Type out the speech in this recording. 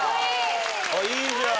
いいじゃん。